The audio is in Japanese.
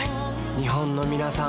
日本のみなさん